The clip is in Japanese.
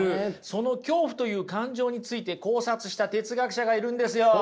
その恐怖という感情について考察した哲学者がいるんですよ。